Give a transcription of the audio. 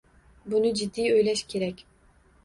Buni jiddiy o‘ylash kerak.